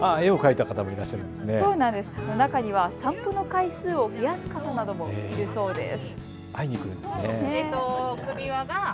中には散歩の回数を増やす方などもいるそうです。